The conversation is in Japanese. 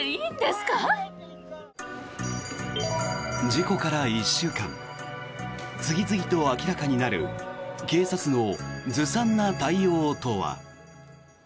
事故から１週間次々と明らかになる警察のずさんな対応とは。